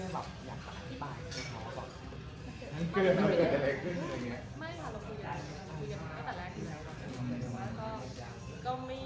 แล้วก็ความรู้สึกว่าเขาก็จะใส่เรามานักภูมิ